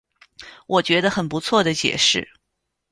我觉得很不错的解释